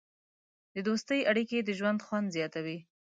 د دوستۍ اړیکې د ژوند خوند زیاتوي.